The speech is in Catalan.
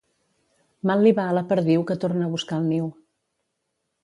Mal li va a la perdiu que torna a buscar el niu.